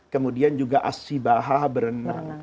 kemudian juga as sibaha berenang